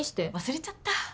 忘れちゃった。